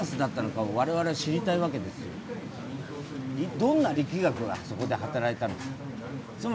どんな力学がそこで働いたんですか？